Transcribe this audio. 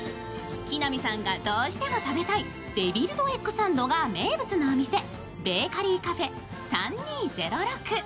木南さんがどうしても食べたいデビルドエッグサンドが名物のお店、ベーカリーカフェ３２０６。